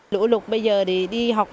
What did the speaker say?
lũ lục bây giờ đi học